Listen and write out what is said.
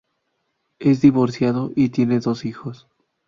Es divorciado y tiene dos hijos.